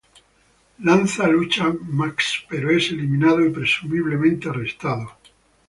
Lanza lucha Max, pero es eliminado y presumiblemente arrestado.